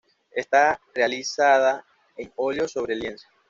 Está realizada en oleo sobre lienzo.